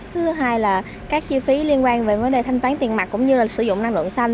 thứ hai là các chi phí liên quan về vấn đề thanh toán tiền mặt cũng như là sử dụng năng lượng xanh